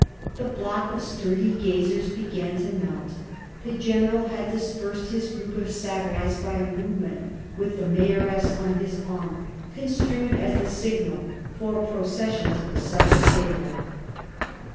The block of sturdy gazers began to melt. The General had dispersed his group of satellites by a movement with the Mayoress on his arm, construed as the signal for procession to the supper table.